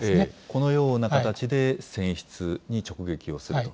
このような形で船室に直撃をすると。